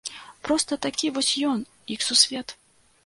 Проста такі вось ён, іх сусвет.